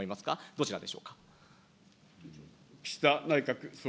どちらでしょうか。